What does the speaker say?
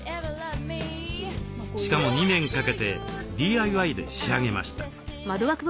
しかも２年かけてＤＩＹで仕上げました。